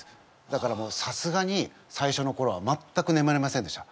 だからさすがに最初のころは全くねむれませんでした。